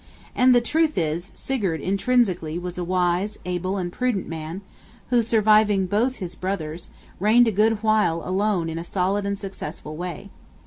And the truth is, Sigurd intrinsically was a wise, able, and prudent man; who, surviving both his brothers, reigned a good while alone in a solid and successful way.